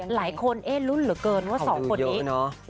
หลายคนเอ๊ะลุ้นเหลือเกินว่าสองคนนี้